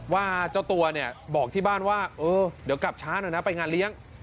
ว่าเจ้าตัวเนี่ยบอกที่บ้านว่าเออเดี๋ยวกลับช้าหน่อยนะไปงานเลี้ยง